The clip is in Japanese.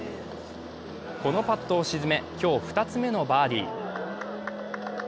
このパットを沈め、今日２つ目のバーディー。